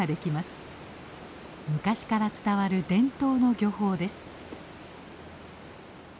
昔から伝わる伝統の漁法です。